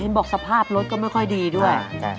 บอกสภาพรถก็ไม่ค่อยดีด้วย